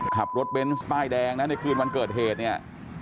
ขับรถเบนส์ป้ายแดงนะในคืนวันเกิดเหตุเนี่ย